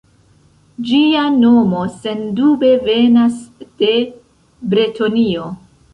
Ĝia nomo sendube venas de Bretonio.